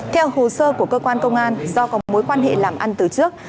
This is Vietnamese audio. theo hồ sơ của cơ quan công an do có mối quan hệ làm ăn từ trước